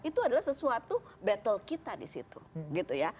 itu adalah sesuatu battle kita disitu